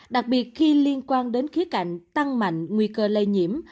đặc biệt khi liên quan đến khía cạnh tăng mạnh nguy cơ lây nhiễm